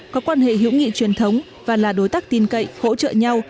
có quan hệ hữu nghị truyền thống và là đối tác tin cậy hỗ trợ nhau